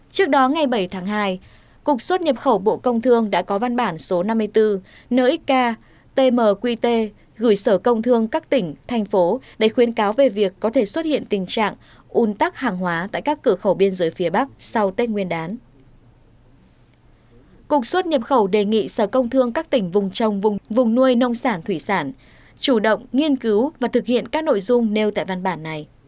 cục xuất nhập khẩu đề nghị sở công thương các tỉnh thành phố để khuyên cáo về việc có thể xuất hiện tình trạng un tắc hàng hóa tại các cửa khẩu biên giới phía bắc sau tết nguyên đán